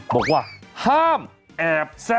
บอกว่าห้ามแอบแซ่